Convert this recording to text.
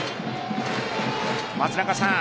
松中さん。